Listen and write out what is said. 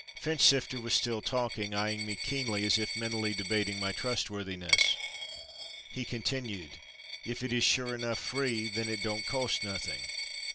Finchsifter was still talking. Eyeing me keenly as if mentally debating my trustworthiness—he continued: "If it is sure enough Free, then it don't cost nothing."